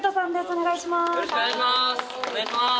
お願いします